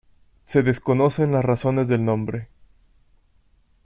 Se desconocen las razones del nombre.